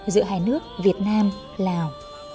giữa hai nước việt nam lào